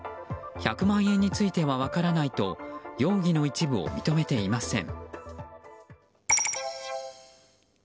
１００万円については分からないと容疑の一部を認めていません。